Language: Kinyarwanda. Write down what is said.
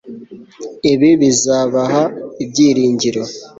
ibi bizabaha ibyiringiro